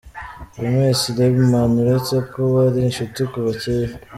James Liebman, uretse ko bari inshuti kuva kera.